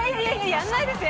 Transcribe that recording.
やらないですよ。